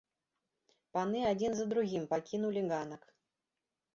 Паны адзін за другім пакінулі ганак.